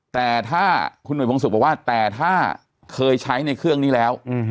แต่ถ้าคุณหนุ่ยพงศุกร์บอกว่าแต่ถ้าเคยใช้ในเครื่องนี้แล้ว